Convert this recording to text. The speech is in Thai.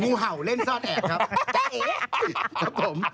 งูเห่าเล่นซ่อนแอบครับ